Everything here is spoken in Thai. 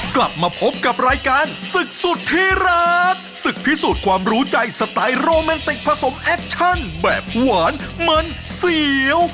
กลับมาพบกับรายการศึกสุดที่รักศึกพิสูจน์ความรู้ใจสไตล์โรแมนติกผสมแอคชั่นแบบหวานมันเสียว